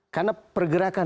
karena pergerakan dinamiknya